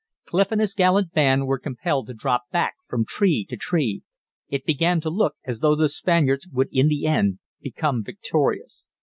Clif and his gallant band were compelled to drop back from tree to tree. It began to look as though the Spaniards would in the end become victorious.